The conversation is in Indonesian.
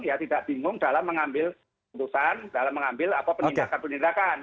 ya tidak bingung dalam mengambil keputusan dalam mengambil penindakan penindakan